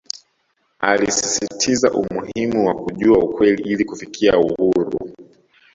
Alisisitiza umuhimu wa kujua ukweli ili kufikia uhuru